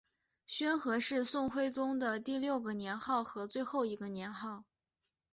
宣和是宋徽宗的第六个年号和最后一个年号。